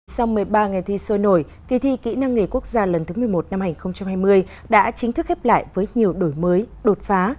sau một mươi ba ngày thi sôi nổi kỳ thi kỹ năng nghề quốc gia lần thứ một mươi một năm hai nghìn hai mươi đã chính thức khép lại với nhiều đổi mới đột phá